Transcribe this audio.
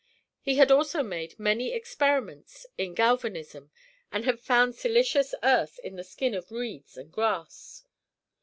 He had also made many experiments in galvanism, and had found silicious earth in the skin of reeds and grass.